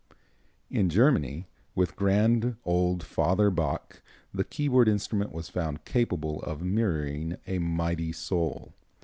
In Germany, with grand old Father Bach, the keyboard instrument was found capable of mirroring a mighty soul.